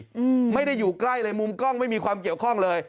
อืมไม่ได้อยู่ใกล้เลยมุมกล้องไม่มีความเกี่ยวข้องเลย